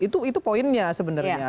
itu poinnya sebenarnya